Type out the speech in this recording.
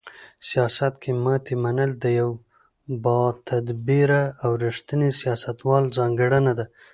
سیاست کې ماتې منل د یو باتدبیره او رښتیني سیاستوال ځانګړنه ده.